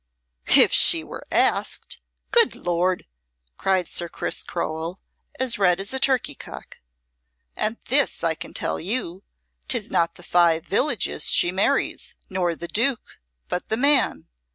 "If she were asked! good Lord!" cried Sir Chris Crowell, as red as a turkey cock. "And this I can tell you, 'tis not the five villages she marries, nor the Duke, but the man.